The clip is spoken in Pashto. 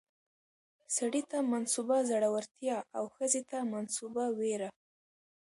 سړي ته منسوبه زړورتيا او ښځې ته منسوبه ويره